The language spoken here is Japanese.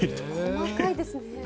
細かいですね。